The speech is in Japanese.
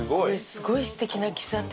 すごいすてきな喫茶店。